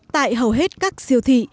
tại hầu hết các siêu thị